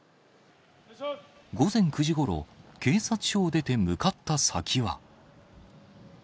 午前９時ごろ、警察署を出て向かった先は。